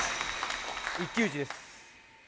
一騎打ちです。